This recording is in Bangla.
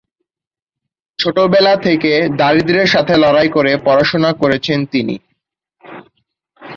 ছোটবেলা থেকে দারিদ্রের সাথে লড়াই করে পড়াশোনা করেছেন তিনি।